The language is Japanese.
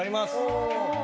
お。